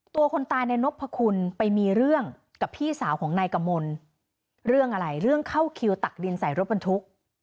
คนตายในนพคุณไปมีเรื่องกับพี่สาวของนายกมลเรื่องอะไรเรื่องเข้าคิวตักดินใส่รถบรรทุก